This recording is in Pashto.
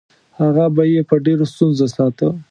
هغه به یې په ډېرو ستونزو ساته.